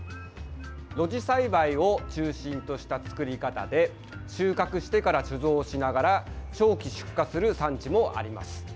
露地栽培を中心とした作り方で収穫してから貯蔵しながら長期出荷する産地もあります。